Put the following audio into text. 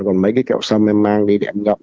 còn mấy cái kẹo xăm em mang đi để em ngậm